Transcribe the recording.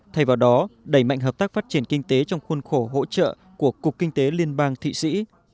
thay vào đó đẩy mạnh hợp tác phát triển kinh tế trong khuôn khổ hỗ trợ của cục kinh tế liên bang thụy sĩ